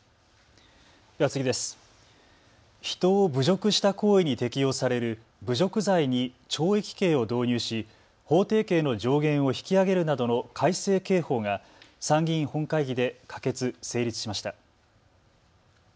人を侮辱した行為に適用される侮辱罪に懲役刑を導入し法定刑の上限を引き上げるなどの改正刑法が参議院本会議で可決・成立しました。